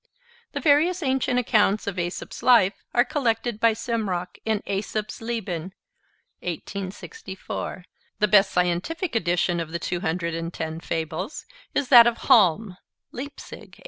The various ancient accounts of Aesop's life are collected by Simrock in 'Aesops Leben' (1864). The best scientific edition of the two hundred and ten fables is that of Halm (Leipzig, 1887).